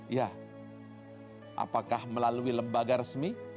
ya apakah melalui lembaga resmi